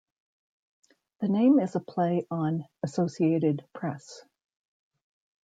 The name is a play on "Associated Press".